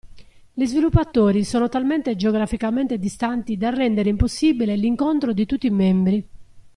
Gli sviluppatori sono talmente geograficamente distanti da rendere impossibile l'incontro di tutti i membri.